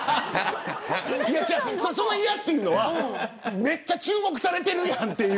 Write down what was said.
その嫌というのは、めっちゃ注目されてるやんという。